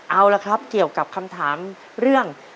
เอาละครับเกี่ยวกับคำถามเรื่อง